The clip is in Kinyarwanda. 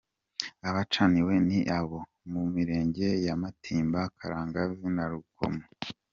Abacaniwe ni abo mu Mirenge ya Matimba, Karagangazi na Rukomo.